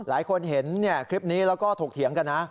หลายคนเห็นคลิปนี้แล้วก็ถกเถียงกันนะ